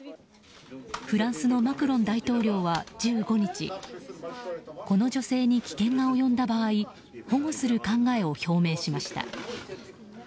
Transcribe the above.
フランスのマクロン大統領は１５日この女性に危険が及んだ場合保護する考えを表明しました。